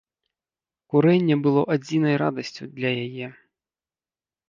Курэнне было адзінай радасцю для яе.